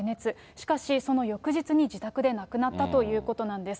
しかしその翌日に自宅で亡くなったということなんです。